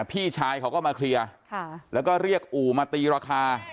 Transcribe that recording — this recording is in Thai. พี่ชายเขาก็มาเคลียร์แล้วก็เรียกอู่มาตีราคา